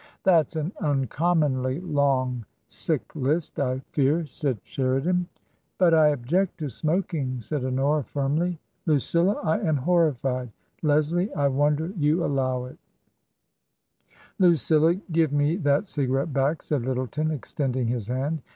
" That's an uncommonly long sick list, I fear," said Sheridan. "But I object to smoking!" said Honora, firmly. " Lucilla, I am horrified. Leslie, I wonder you allow it." 172 TRANSITION. LucSla, give me that cigarette back," said Lyttleton, extending his hand.